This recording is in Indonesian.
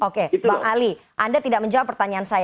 oke bang ali anda tidak menjawab pertanyaan saya